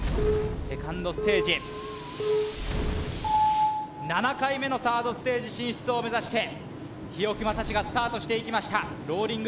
セカンドステージ７回目のサードステージ進出を目指して日置将士がスタートしていきました